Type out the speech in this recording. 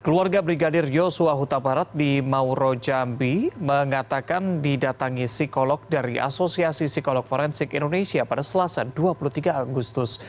keluarga brigadir yosua huta barat di mauro jambi mengatakan didatangi psikolog dari asosiasi psikolog forensik indonesia pada selasa dua puluh tiga agustus